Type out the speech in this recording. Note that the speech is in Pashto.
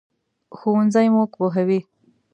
ښوونځی موږ پوهوي